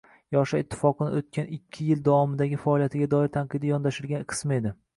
Yoshlar ittifoqining o‘tgan ikki yil davomidagi faoliyatiga doir tanqidiy yondoshilgan qismi edi.